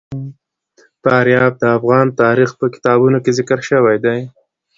فاریاب د افغان تاریخ په کتابونو کې ذکر شوی دي.